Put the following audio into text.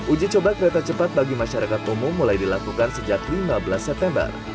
uji coba kereta cepat bagi masyarakat umum mulai dilakukan sejak lima belas september